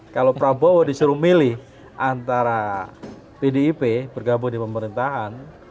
kalau prabowo disuruh milih antara pdip bergabung di pemerintahan